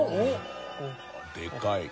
でかい。